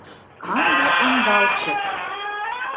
Канде ондалчык!